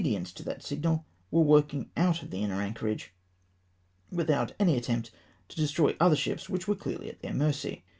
lience to that signal, were working out of the iimer anchorage without any attempt to destroy other ships wliich were clearly at their mercy.